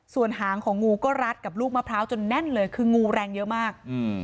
ส่วนหางของงูก็รัดกับลูกมะพร้าวจนแน่นเลยคืองูแรงเยอะมาก